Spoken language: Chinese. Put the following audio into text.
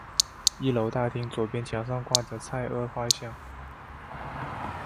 一楼大厅左边墙上挂着蔡锷画像。